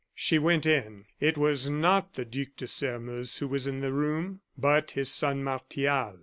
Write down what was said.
She went in. It was not the Duc de Sairmeuse who was in the room, but his son, Martial.